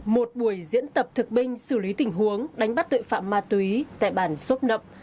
một buổi diễn tập thực binh xử lý tình huống đánh bắt tội phạm ma túy tại bàn sốp nộp